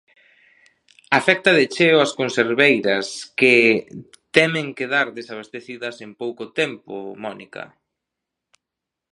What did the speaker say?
Afecta de cheo as conserveiras, que temen quedar desabastecidas en pouco tempo, Mónica.